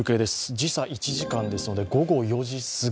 時差１時間ですので、午後４時すぎ。